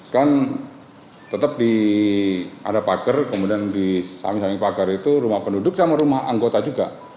kan tetap ada pagar kemudian di samping samping pagar itu rumah penduduk sama rumah anggota juga